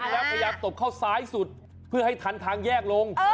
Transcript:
เพราะยังต้องตกเข้าซ้ายสุดเพื่อให้ทันทางแยกลง